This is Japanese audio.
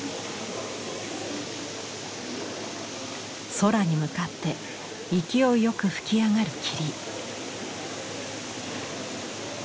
空に向かって勢いよく噴き上がる霧。